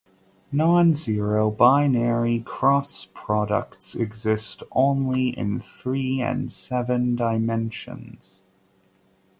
Nonzero binary cross products exist only in three and seven dimensions.